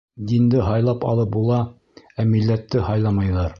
Динде һайлап алып була, ә милләтте һайламайҙар.